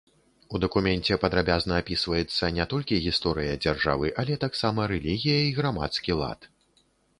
У дакуменце падрабязна апісваецца не толькі гісторыя дзяржавы, але таксама рэлігія і грамадскі лад.